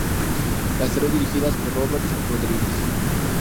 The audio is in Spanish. Las tres dirigidas por Robert Rodríguez.